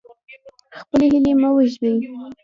خپلې هیلې مه وژنئ.